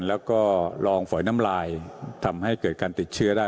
แล้วก็ลองฝอยน้ำลายทำให้เกิดการติดเชื้อได้